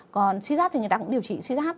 còn suy giáp thì người ta cũng điều trị suy giáp